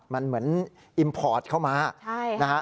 มันเหมือนอิมพอร์ตเข้ามานะฮะ